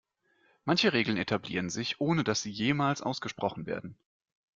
Manche Regeln etablieren sich, ohne dass sie jemals ausgesprochen werden.